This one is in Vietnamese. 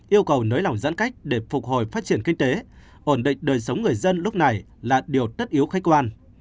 yêu cầu nới lỏng giãn cách để phục hồi phát triển kinh tế ổn định đời sống người dân lúc này là điều tất yếu khách quan